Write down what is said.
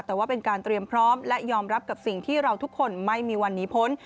แต่ว่าเป็นการเตรียมพร้อมและยอมรับกับสิ่งที่เราทุกคนไม่มีวันนี้พ้น